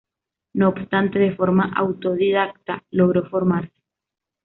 No obstante, de forma autodidacta logró formarse.